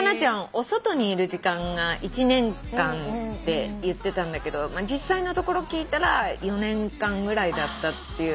お外にいる時間が１年間って言ってたんだけど実際のところ聞いたら４年間ぐらいだったっていう。